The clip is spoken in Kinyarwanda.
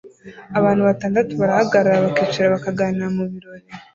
Abantu batandatu barahagarara bakicara bakaganira mubirori